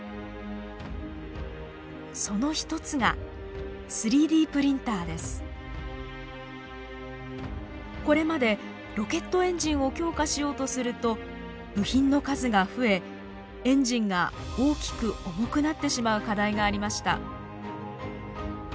その一つがこれまでロケットエンジンを強化しようとすると部品の数が増えエンジンが大きく重くなってしまう課題がありました。